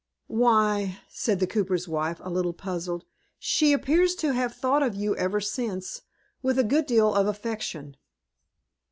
"Why," said the cooper's wife a little puzzled, "she appears to have thought of you ever since, with a good deal of affection."